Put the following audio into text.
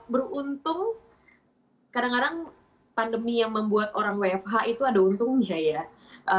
beruntung kadang kadang pandemi yang membuat orang wfh itu ada untungnya ya